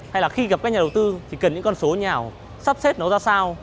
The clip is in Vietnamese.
hay là khi gặp các nhà đầu tư thì cần những con số nhỏ sắp xếp nó ra sao